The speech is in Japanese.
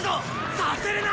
させるな！